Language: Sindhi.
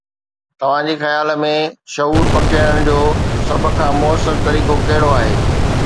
توهان جي خيال ۾ شعور پکيڙڻ جو سڀ کان مؤثر طريقو ڪهڙو آهي؟